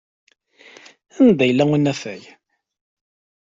Anda yella unafag?